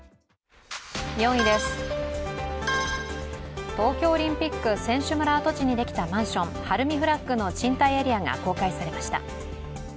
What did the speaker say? ４位です、東京オリンピック選手村跡地にできたマンション、ＨＡＲＵＭＩＦＬＡＧの賃貸エリアが公開されました。